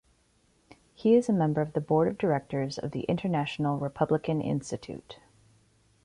He is a member of the board of directors of the International Republican Institute.